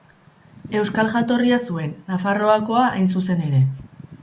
Euskal jatorria zuen, Nafarroakoa hain zuzen ere.